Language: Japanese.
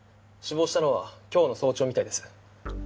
死亡したのは今日の早朝みたいです。